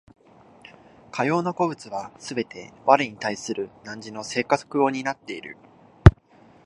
かような個物はすべて我に対する汝の性格を担っている。